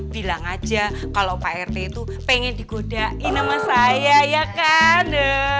bilang aja kalau pak rt itu pengen digodain sama saya ya kan